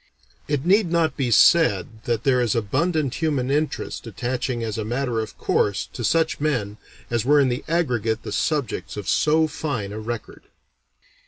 It need not be said that there is abundant human interest attaching as a matter of course to such men as were in the aggregate the subjects of so fine a record.